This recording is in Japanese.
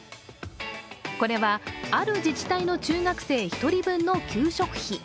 これは、ある自治体の中学生１人分の給食費。